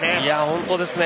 本当ですね。